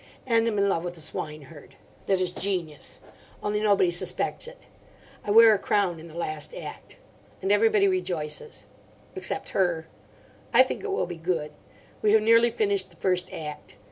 And am in love with a swineherd. That is a genius. Only nobody suspects it. I wear a crown in the last act. And everybody rejoices. Except her. I think it will be good. We have nearly finished the first act.